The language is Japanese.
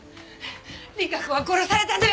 莉華子は殺されたのよ